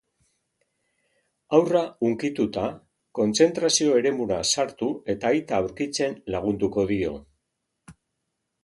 Haurra hunkituta, kontzentrazio eremura sartu eta aita aurkitzen lagunduko dio.